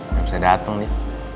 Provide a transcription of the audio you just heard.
gak bisa dateng nih